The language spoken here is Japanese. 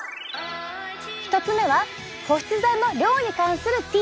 １つ目は保湿剤の量に関するＴ！